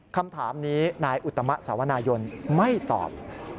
คำถามนี้นายอุตมะสาวนายนไม่ตอบ